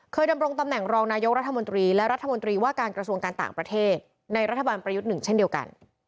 ดำรงตำแหน่งรองนายกรัฐมนตรีและรัฐมนตรีว่าการกระทรวงการต่างประเทศในรัฐบาลประยุทธ์หนึ่งเช่นเดียวกัน